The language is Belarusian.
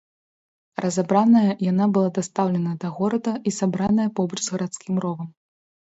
Разабраная яна была дастаўлена да горада і сабраная побач з гарадскім ровам.